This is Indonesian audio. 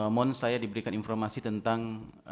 mohon saya diberikan informasi tentang